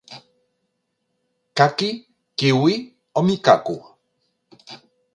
Caqui, kiwi o micaco?